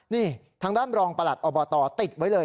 นี่ทางด้านรองประหลัดอบตติดไว้เลย